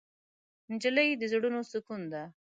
نجلۍ د زړونو سکون ده.